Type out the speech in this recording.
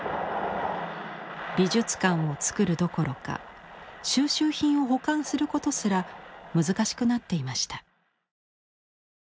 美術館をつくるどころか蒐集品を保管することすら難しくなっていました。